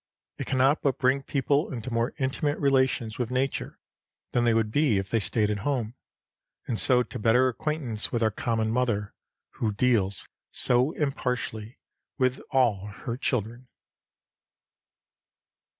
It cannot but bring people into more intimate relations with nature than they would be if they stayed at home, and so to better acquaintance with our common mother, who deals so impartially with all her children.